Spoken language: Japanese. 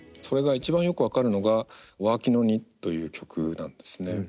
それが一番よく分かるのが「Ｗｏｒｋｉｎｏｎｉｔ」という曲なんですね。